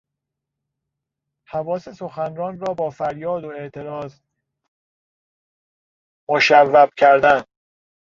حواس سخنران را بافریاد و اعتراض مشوب کردن